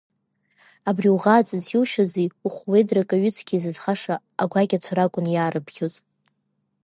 Абри уӷааҵыс иушьызи ухәуедрак аҩыцқьеи зызхаша агәакьацәа ракәын иаарыԥхьоз.